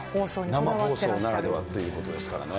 生放送ならではということですからね。